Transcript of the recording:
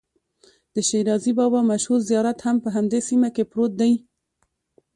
د شیرازي بابا مشهور زیارت هم په همدې سیمه کې پروت دی.